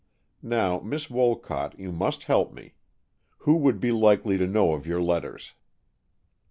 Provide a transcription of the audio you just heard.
Now, Miss Wolcott, you must help me. Who would be likely to know of your letters?"